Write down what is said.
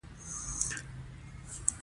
تاریخ د افغانستان د ښاري پراختیا سبب کېږي.